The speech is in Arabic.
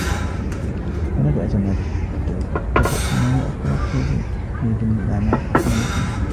هناك أزمات تدكنا وأخرى تخرج من الأعماق أفضل ما فينا